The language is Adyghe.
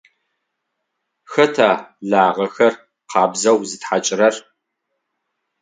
Хэта лагъэхэр къабзэу зытхьакӏырэр?